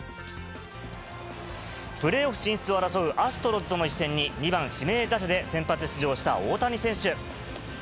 プレーオフ進出を争うアストロズとの一戦に、２番指名打者で先発出場した大谷選手。